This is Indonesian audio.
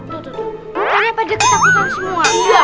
ternyata ada ketakutan semua